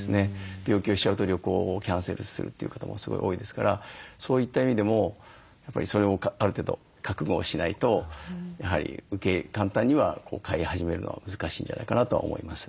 病気をしちゃうと旅行をキャンセルするという方もすごい多いですからそういった意味でもそれをある程度覚悟をしないとやはり簡単には飼い始めるのは難しいんじゃないかなとは思います。